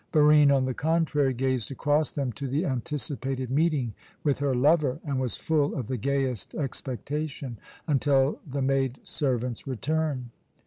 Barine, on the contrary, gazed across them to the anticipated meeting with her lover, and was full of the gayest expectation until the maid servant's return.